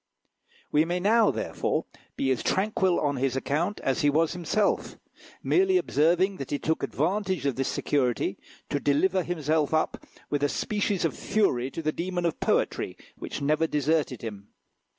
We may now, therefore, be as tranquil on his account as he was himself, merely observing that he took advantage of this security to deliver himself up with a species of fury to the demon of poetry, which never deserted him.